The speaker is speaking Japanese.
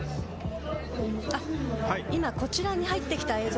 「あっ今こちらに入ってきた映像が」